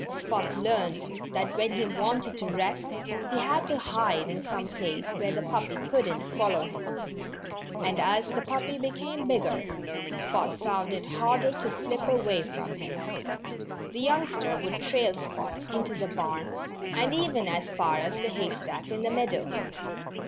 Spot learned that when he wanted to rest he had to hide in some place where the puppy couldn't follow him. And as the puppy became bigger Spot found it harder to slip away from him. The youngster would trail Spot into the barn and even as far as the hay stack in the meadow.